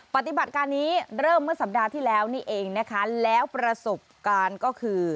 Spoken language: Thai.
ปฏิบัติการนี้เริ่มเมื่อสัปดาห์ที่แล้วนี่เองนะคะแล้วประสบการณ์ก็คือ